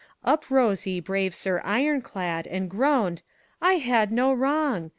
Uppe rose ye brave Sir Yroncladde And groaned, "I hadde no wrong!